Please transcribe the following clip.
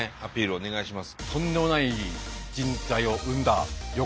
お願いします。